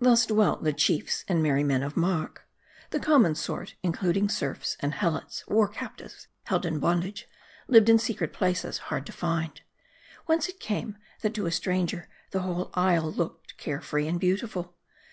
Thus dwelt the chiefs and merry men of mark. The common sort, including serfs, and Helots, war captives held in bondage, lived in secret places, hard to find. Whence it came, that, to a stranger, the whole isle looked care free and beautiful.